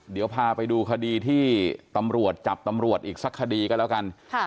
เดี๋ยวพาไปดูคดีที่ตำรวจจับตำรวจอีกสักคดีก็แล้วกัน